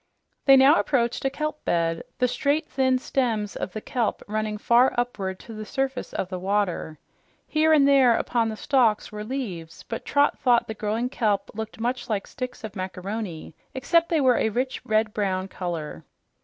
They now approached a kelp bed, the straight, thin stems of the kelp running far upward to the surface of the water. Here and there upon the stalks were leaves, but Trot thought the growing kelp looked much like sticks of macaroni, except they were a rich red brown color.